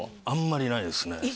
あんまりないですね